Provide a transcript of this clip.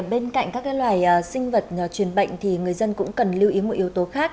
bên cạnh các loài sinh vật truyền bệnh thì người dân cũng cần lưu ý một yếu tố khác